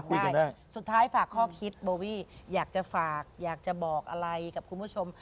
ได้สุดท้ายฝากข้อคิดโบวี่อยากจะฝากอยากจะบอกอะไรกับคุณผู้ชม